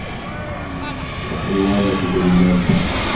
Lḥiwan akked lmal merra.